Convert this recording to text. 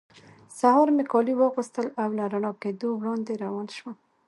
سهار مې کالي واغوستل او له رڼا کېدو وړاندې روان شوم.